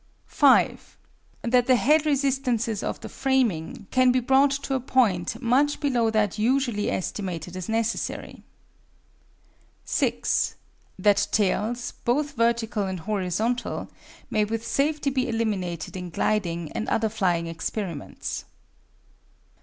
5. That the head resistances of the framing can be brought to a point much below that usually estimated as necessary. 6. That tails, both vertical and horizontal, may with safety be eliminated in gliding and other flying experiments.